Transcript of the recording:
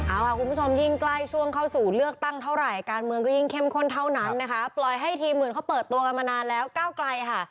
เอาค่ะคุณผู้ชมยิ่งใกล้ช่วงเข้าสู่เลือกตั้งเท่าไหร่การเมืองก็ยิ่งเข้มข้นเท่านั้นนะคะปล่อยให้ทีมอื่นเขาเปิดตัวกันมานานแล้วก้าวไกลค่ะ